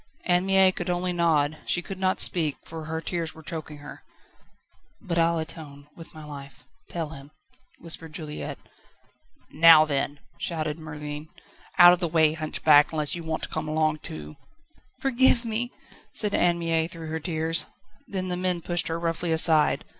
Anne Mie could only nod; she could not speak, for her tears were choking her. "But I'll atone with my life. Tell him," whispered Juliette. "Now then," shouted Merlin, "out of the way, hunchback, unless you want to come along too." "Forgive me," said Anne Mie through her tears. Then the men pushed her roughly aside.